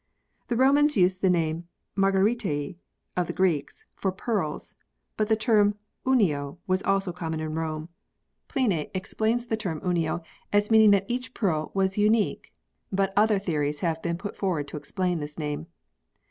The Romans used the name margaritae (of the Greeks), for pearls, but the term Unio was also common in Rome. Pliny explains the term Unio 6 PEARLS [CH. as meaning that each pearl was unique, but other theories have been put forward to explain this name.